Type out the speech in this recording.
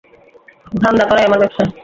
ধান্দা করাই আমার ব্যবসা।